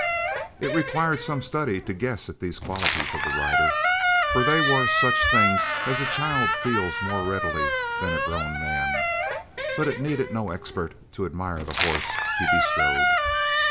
It required some study to guess at these qualities of the rider, for they were such things as a child feels more readily than a grown man; but it needed no expert to admire the horse he bestrode.